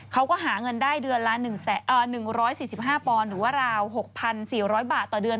เขาก็หาเงินได้เดือนละ๑๔๕ปอนด์หรือว่าราว๖๔๐๐บาทต่อเดือน